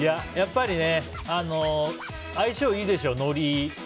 やっぱり、相性がいいでしょうのり。